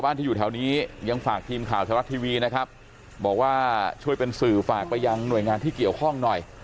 ที่อยู่แถวนี้ยังฝากทีมข่าวชาวรัฐทีวีนะครับบอกว่าช่วยเป็นสื่อฝากไปยังหน่วยงานที่เกี่ยวข้องหน่อย